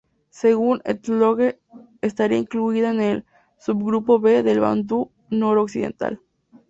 Según "Ethnologue", estaría incluida en el subgrupo B del bantú noroccidental.